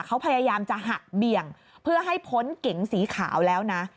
เขาพยายามจะหักเบี่ยงเพื่อให้พ้นเก๋งสีขาวแล้วนะ